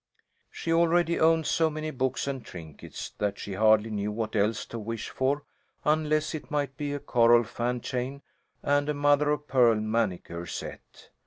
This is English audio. She already owned so many books, and trinkets, that she hardly knew what else to wish for unless it might be a coral fan chain and a mother of pearl manicure set.